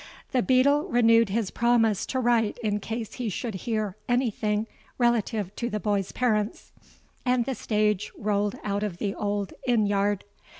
The beadle renewed his promise to write in case he should hear any thing relative to the boy's parents; and the stage rolled out of the old inn yard.